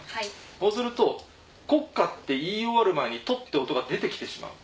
そうすると「国家」って言い終わる前に「と」って音が出て来てしまう。